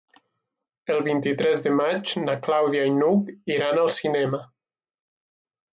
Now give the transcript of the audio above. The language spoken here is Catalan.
El vint-i-tres de maig na Clàudia i n'Hug iran al cinema.